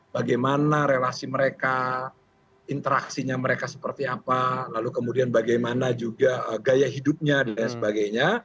bagaimana relasi mereka interaksinya mereka seperti apa lalu kemudian bagaimana juga gaya hidupnya dan sebagainya